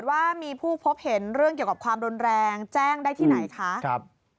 ว่ามีผู้พบเห็นเรื่องเกี่ยวกับความรุนแรงแจ้งได้ที่ไหนคะครับ